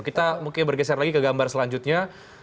kita mungkin bergeser lagi ke gambar selanjutnya